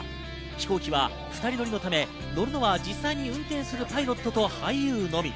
飛行機は２人乗りのため、乗るのは実際に運転するパイロットと俳優のみ。